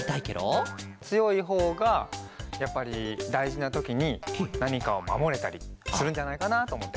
つよいほうがやっぱりだいじなときになにかをまもれたりするんじゃないかなとおもって。